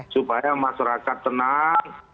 supaya masyarakat tenang